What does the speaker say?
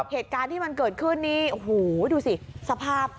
เหตุการณ์ที่มันเกิดขึ้นนี่โอ้โหดูสิสภาพ